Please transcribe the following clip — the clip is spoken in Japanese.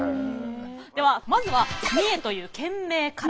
ではまずは三重という県名から。